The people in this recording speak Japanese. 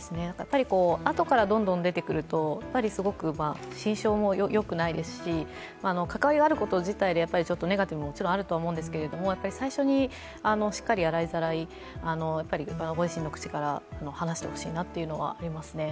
あとからどんどん出てくるとすごく心証もよくないですし関わりがあること自体、もちろんネガティブはあると思うんですが最初にしっかり洗いざらい御自身の口から話してほしいなというのはありますね。